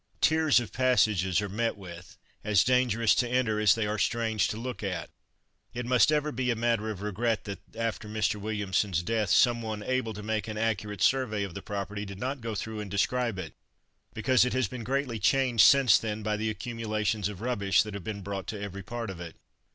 Tiers of passages are met with, as dangerous to enter as they are strange to look at. It must ever be a matter of regret that after Mr. Williamson's death, some one able to make an accurate survey of the property did not go through and describe it, because it has been greatly changed since then by the accumulations of rubbish that have been brought to every part of it.